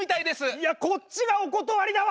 いやこっちがお断りだわ！